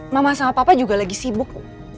mama sama papa juga lagi sibuk